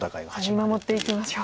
見守っていきましょう。